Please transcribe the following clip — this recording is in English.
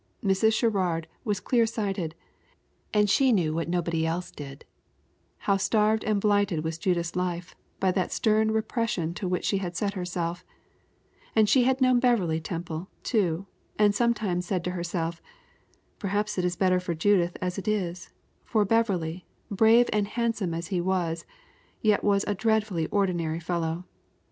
Mrs. Sherrard was clear sighted, and she knew what nobody else did how starved and blighted was Judith's life by that stern repression to which she had set herself; and she had known Beverley Temple, too, and sometimes said to herself: "Perhaps it is better for Judith as it is, for Beverley, brave and handsome as he was, yet was a dreadfully ordinary fellow.